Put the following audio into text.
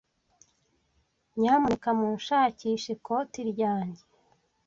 Nyamuneka munshakishe ikoti ryanjye.